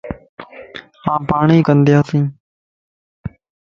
آن پاڻئين ڪندياس